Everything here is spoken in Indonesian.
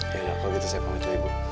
ya udah kalau gitu saya pamit dulu ibu